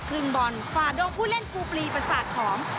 ครึ่งบอลฝ่าดงผู้เล่นกูปลีประสาทของ